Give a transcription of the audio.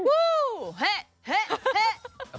เฮะเฮะเฮะ